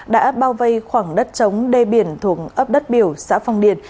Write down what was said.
đã bao vây khoảng đất trống đê biển thuộc ấp đất biểu xã phong điền